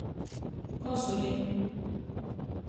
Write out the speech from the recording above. Kozuri.